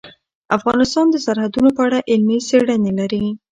افغانستان د سرحدونه په اړه علمي څېړنې لري.